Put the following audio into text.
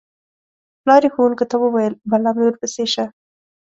پلار یې ښوونکو ته وویل: بلا مې ورپسې شه.